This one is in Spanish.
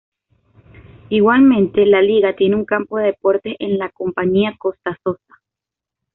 Igualmente, la Liga tiene un campo de deportes en la compañía Costa Sosa.